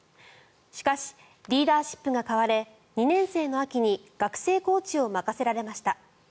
しかし、リーダーシップが買われ２年生の秋に学生コーチを任せられました。